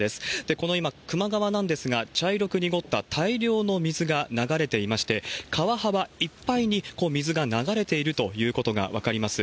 この、今、球磨川なんですが、茶色く濁った大量の水が流れていまして、川幅いっぱいに水が流れているということが分かります。